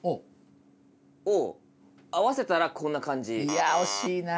いや惜しいな。